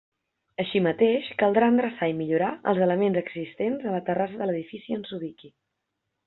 Així mateix caldrà endreçar i millorar els elements existents a la terrassa de l'edifici on s'ubiqui.